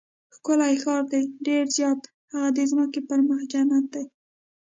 ښکلی ښار دی؟ ډېر زیات، هغه د ځمکې پر مخ جنت دی.